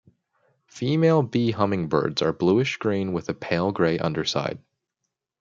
Female bee hummingbirds are bluish green with a pale gray underside.